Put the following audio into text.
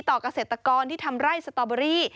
เกษตรกรที่ทำไร่สตอเบอรี่